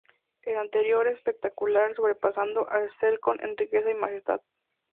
El interior es espectacular, sobrepasando a Skelton en riqueza y majestad.